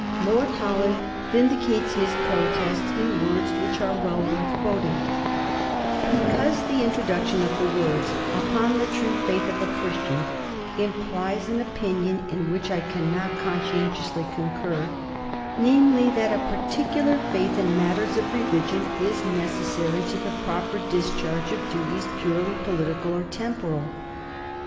Lord Holland vindicates his protest in words which are well worth quoting: "Because the introduction of the words 'upon the true faith of a Christian' implies an opinion in which I cannot conscientiously concur, namely, that a particular faith in matters of religion is necessary to the proper discharge of duties purely political or temporal."